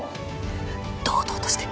堂々として。